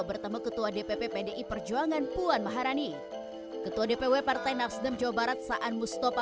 bertemu ketua dpp pdi perjuangan puan maharani ketua dpw partai nasdem jawa barat saan mustafa